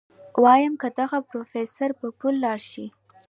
ويم که اغه د پروفيسر په پل لاړ شي.